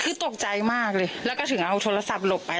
คือตกใจมากเลยแล้วก็ถึงเอาโทรศัพท์หลบไป